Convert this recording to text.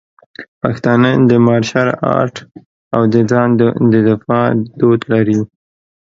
پښتانه د مارشل آرټ او د ځان د دفاع دود لري.